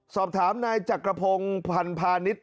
สอบถามนายจักรพงศ์พันพาณิชย